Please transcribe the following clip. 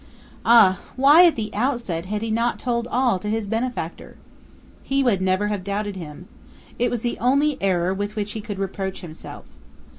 Ah! why at the outset had he not told all to his benefactor? He would never have doubted him. It was the only error with which he could reproach himself.